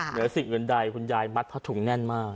เหนือสิ่งอื่นใดคุณยายมัดผ้าถุงแน่นมาก